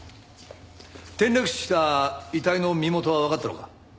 転落死した遺体の身元はわかったのか？